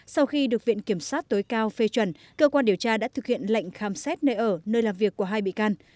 sau khi được viện kiểm sát tối cao phê chuẩn cơ quan điều tra đã thực hiện lệnh khám xét nơi ở nơi làm việc của hai bị can